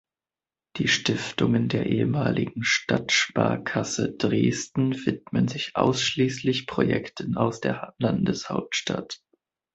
Die Stiftungen der ehemaligen Stadtsparkasse Dresden widmen sich ausschließlich Projekten aus der Landeshauptstadt.